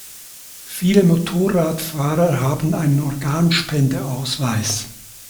Viele Motorradfahrer haben einen Organspendeausweis.